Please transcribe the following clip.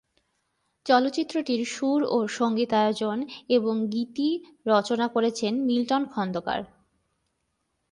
চলচ্চিত্রটির সুর ও সঙ্গীতায়োজন এবং গীত রচনা করেছেন মিল্টন খন্দকার।